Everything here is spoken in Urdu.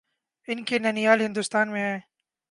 ان کے ننھیال ہندوستان میں ہیں۔